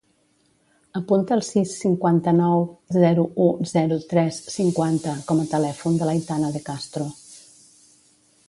Apunta el sis, cinquanta-nou, zero, u, zero, tres, cinquanta com a telèfon de l'Aitana De Castro.